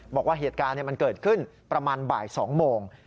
บอกว่าเหตุการณ์มันเกิดขึ้นประมาณบ่าย๒โมง